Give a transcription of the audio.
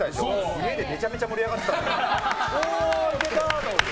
家でめちゃめちゃ盛り上がってた。